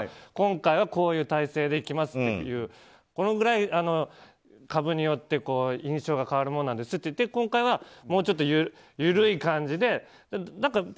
今回はこういう体制でいきますという、このぐらい株によって印象が変わるものなんですってだから今回はもうちょっと緩い感じでって。